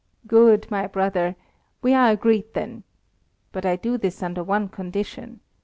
"Good, my brother! We are agreed then. But I do this under one condition.